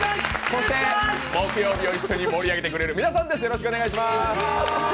そして木曜日を一緒に盛り上げてくれる皆さんです。